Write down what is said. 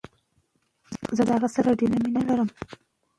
چاپېريال پاک ساتل د مور فشار کموي.